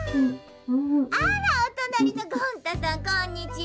「あらおとなりのゴン太さんこんにちは。